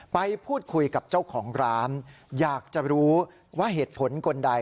ไปพูดคุยกับเจ้าของร้านอยากจะรู้ว่าเหตุผลคนใด